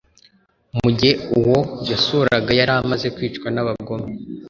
mu gihe uwo yasuraga yari amaze kwicwa n'abagome,